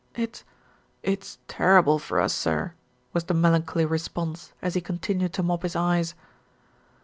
"It it's terrible for us, sir," was the melancholy response, as he continued to mop his eyes.